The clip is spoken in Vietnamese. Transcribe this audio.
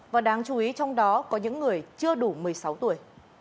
và đáng chú ý trong đó có những người chưa đủ một mươi sáu tuổi